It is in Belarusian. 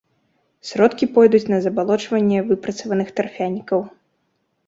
Сродкі пойдуць на забалочванне выпрацаваных тарфянікаў.